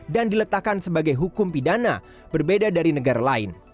dan diletakkan sebagai hukum pidana berbeda dari negara lain